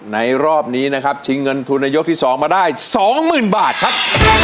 ในรอบนี้นะครับชิงเงินทุนในยกที่สองมาได้สองหมื่นบาทครับ